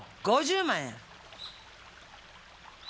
５０万や。